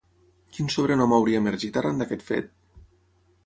Quin sobrenom hauria emergit arran d'aquest fet?